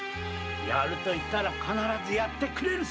やると言ったら必ずやってくれるさ。